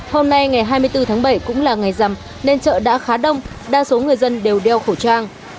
hôm nay ngày hai mươi bốn tháng bảy cũng là ngày rằm nên chợ đã khá đông đa số người dân đều đeo khẩu trang